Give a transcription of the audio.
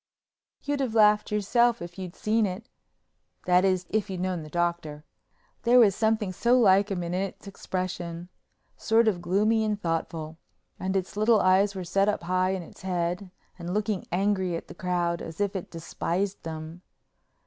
You'd have laughed yourself if you'd seen it—that is, if you'd known the Doctor. There was something so like him in its expression—sort of gloomy and thoughtful—and its little eyes set up high in its head and looking angry at the crowd as if it despised them.